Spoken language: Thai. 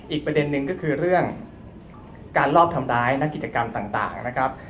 อีกประเด็นหนึ่งก็คือเรื่องการลอบทำร้ายนักกิจกรรมต่างนะครับ